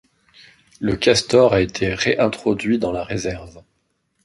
Le castor a été réintroduit dans la réserve.